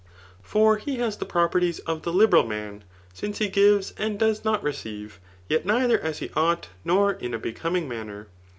For he has the properties of the h'beral man f since he gives, and does not receive ; yet neither as he ought, nor in a becoming manner.